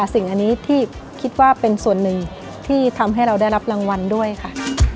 สิ่งอันนี้ที่คิดว่าเป็นส่วนหนึ่งที่ทำให้เราได้รับรางวัลด้วยค่ะ